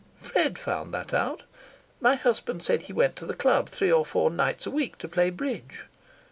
"Fred found that out. My husband said he went to the club three or four nights a week to play bridge.